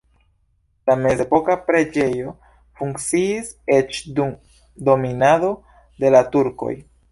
La mezepoka preĝejo funkciis eĉ dum dominado de la turkoj.